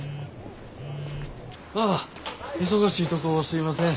ああ忙しいとこすいません。